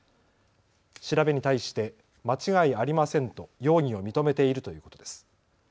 調べに対して間違いありませんと容疑を認めているということです。